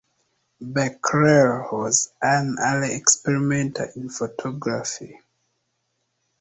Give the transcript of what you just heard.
Becquerel was an early experimenter in photography.